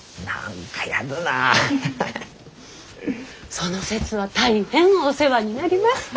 その節は大変お世話になりました。